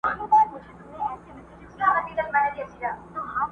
اوس به مي غوږونه تر لحده وي کاڼه ورته!!